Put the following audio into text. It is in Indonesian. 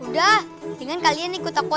udah dengan kalian ikut aku aja